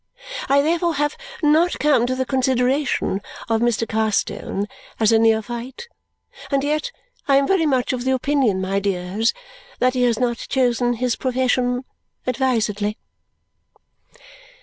I therefore have not come to the consideration of Mr. Carstone as a neophyte. And yet I am very much of the opinion, my dears, that he has not chosen his profession advisedly."